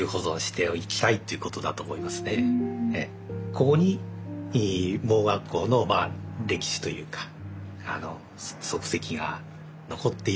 ここに盲学校の歴史というか足跡が残っている。